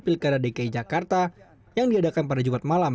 pilkada dki jakarta yang diadakan pada jumat malam